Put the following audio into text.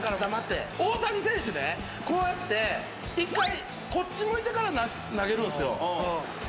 大谷選手ねこうやって１回こっち向いてから投げるんすよ。